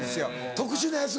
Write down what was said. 特殊なやつが？